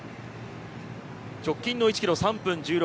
直近の１キロ、３分１６。